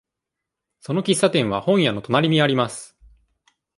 その喫茶店は本屋の隣にあります。